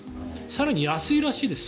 更に、安いらしいんです。